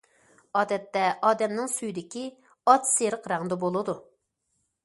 ئادەتتە، ئادەمنىڭ سۈيدۈكى ئاچ سېرىق رەڭدە بولىدۇ.